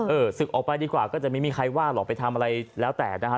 ศึกออกไปดีกว่าก็จะไม่มีใครว่าหรอกไปทำอะไรแล้วแต่นะฮะ